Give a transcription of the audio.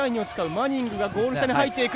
マニングがゴール下に入っていく。